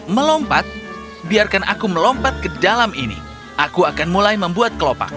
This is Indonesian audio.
melompat biarkan aku melompat ke dalam ini aku akan mulai membuat kelopak